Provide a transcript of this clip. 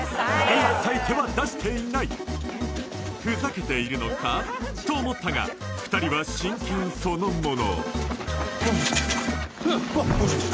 一切手は出していないふざけているのか？と思ったが２人は真剣そのもの